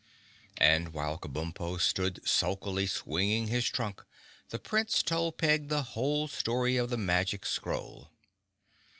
And while Kabumpo stood sulkily swinging his trunk the Prince told Peg the whole story of the magic scroll.